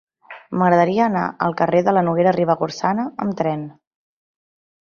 M'agradaria anar al carrer de la Noguera Ribagorçana amb tren.